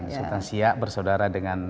sultan siak bersaudara dengan